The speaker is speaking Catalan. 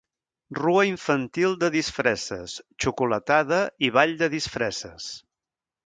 Rua infantil de disfresses, xocolatada i ball de disfresses.